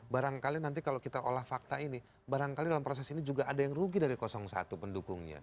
barangkali nanti kalau kita olah fakta ini barangkali dalam proses ini juga ada yang rugi dari satu pendukungnya